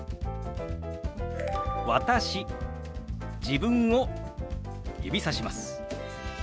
自分を指さします。